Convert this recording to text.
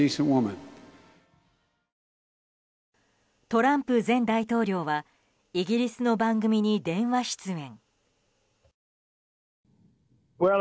トランプ前大統領はイギリスの番組に電話出演。